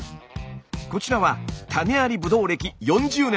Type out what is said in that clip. こちらは種ありブドウ歴４０年。